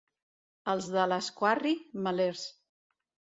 Els de Lasquarri, melers.